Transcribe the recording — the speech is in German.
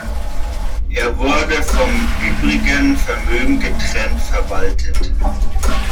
Er wurde vom übrigen Vermögen getrennt verwaltet.